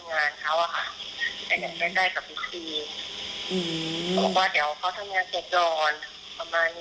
ประมาณนี้ว่าเดี๋ยวทำงานเสร็จก่อน